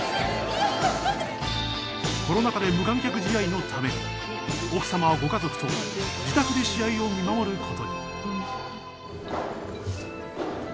コロナ禍で無観客試合のため奥様はご家族と自宅で試合を見守ることに。